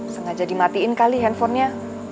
sengaja dimatiin kali handphonenya